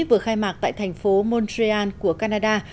vừa khai mạc tại thành phố montreal của canada